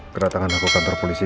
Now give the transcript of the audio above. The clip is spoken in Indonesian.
kedatangan aku kantor polisi